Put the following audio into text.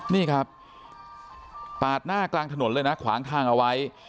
นี่ครับปาดหน้ากลางถนนเลยนะขวางทางเอาไว้